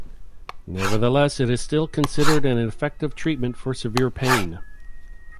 Nevertheless it is still considered an effective treatment for severe pain.